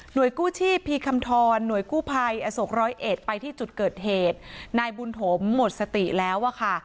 โดยกู้ชีพีคำทรหน่วยกู้ภัยอโศกร้อยเอ็ดไปที่จุดเกิดเหตุนายบุญถมหมดสติแล้วอะค่ะ